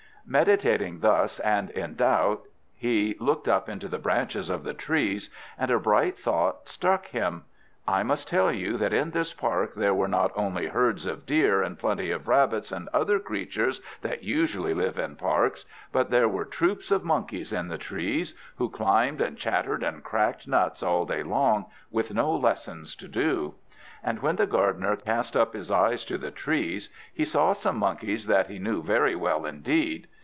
Meditating thus, and in doubt, he looked up into the branches of the trees, and a bright thought struck him. I must tell you that in this park there were not only herds of deer, and plenty of rabbits and other creatures that usually live in parks, but there were troops of monkeys in the trees, who climbed and chattered and cracked nuts all day long, with no lessons to do. And when the gardener cast up his eyes to the trees, he saw some monkeys that he knew very well indeed.